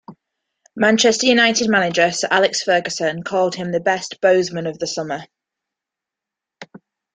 Manchester United manager Sir Alex Ferguson called him the "best Bosman of the summer".